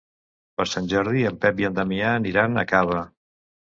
Per Sant Jordi en Pep i en Damià aniran a Cava.